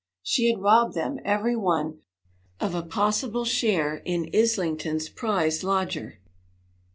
She had robbed them, every one, of a possible share in Islington's prize lodger.